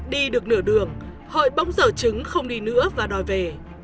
đi được nửa đường hợi bỗng dở chứng không đi nữa và đòi về